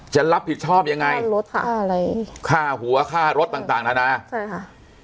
จะรับผิดชอบยังไงค่ารถค่ะอะไรค่าหัวค่ารถต่างต่างนานาใช่ค่ะ